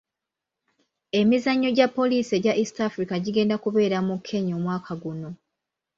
Emizannyo gya poliisi egya East Africa gigenda kubeera mu Kenya omwaka guno.